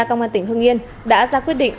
công an tỉnh hưng yên đã ra quyết định